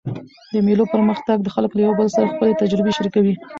د مېلو پر وخت خلک له یو بل سره خپلي تجربې شریکوي.